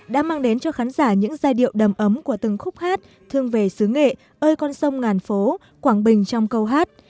đã mang đến cho khán giả những giai điệu đầm ấm của từng khúc hát thương về xứ nghệ ơi con sông ngàn phố quảng bình trong câu hát